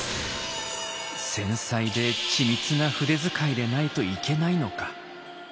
繊細で緻密な筆遣いでないといけないのか。